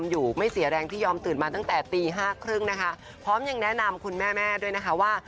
อยู่ไม่เสียแรงที่ยอมตื่นมาตั้งแต่ตีห้าครึ่งนะคะพร้อมยังแนะนำคุณแม่แม่ด้วยนะคะว่า